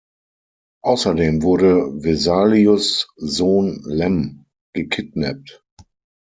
Außerdem wurde Vesalius' Sohn Lem gekidnappt.